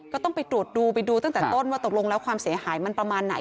ก็ต้องไปตรวจดูไปดูตั้งแต่ต้นว่าตกลงแล้วความเสียหายมันประมาณไหน